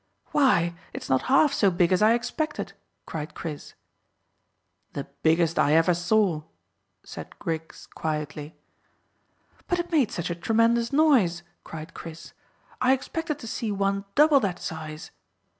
"Why, it's not half so big as I expected," cried Chris. "The biggest I ever saw," said Griggs quietly. "But it made such a tremendous noise," cried Chris. "I expected to see one double that size.